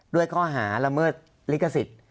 ด้วยข้อหาละเมิดลิขสิทธิ์